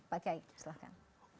pak kiai silahkan